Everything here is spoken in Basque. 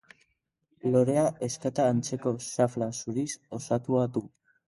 Lorea ezkata antzeko xafla zuriz osatua du.